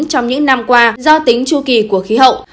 trong những năm qua do tính chu kỳ của khí hậu